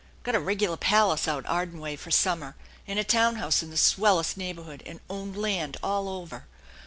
Got a regular palace out Arden way fer summer and a town house in the swellest neighborhood, and own land all over.